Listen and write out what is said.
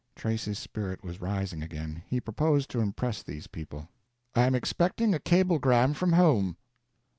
Tracy's spirit was rising again. He proposed to impress these people: "I am expecting a cablegram from home."